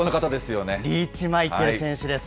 リーチマイケル選手です。